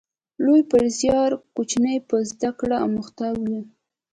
لوی په زیار، کوچنی په زده کړه اموخته و